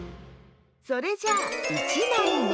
それじゃあ１まいめ。